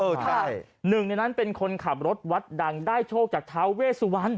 ใช่หนึ่งในนั้นเป็นคนขับรถวัดดังได้โชคจากท้าเวสุวรรณ